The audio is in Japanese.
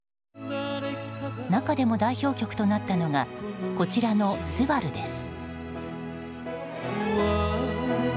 中でも代表曲となったのがこちらの「昴」です。